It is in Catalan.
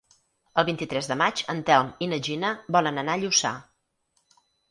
El vint-i-tres de maig en Telm i na Gina volen anar a Lluçà.